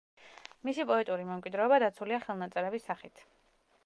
მისი პოეტური მემკვიდრეობა დაცულია ხელნაწერების სახით.